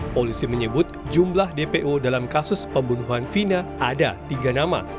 polisi menyebut jumlah dpo dalam kasus pembunuhan vina ada tiga nama